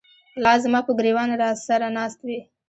لاس زماپه ګر ېوانه راسره ناست وې